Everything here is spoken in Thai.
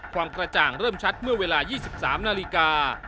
ความกระจ่างเริ่มชัดเมื่อเวลา๒๓นาฬิกา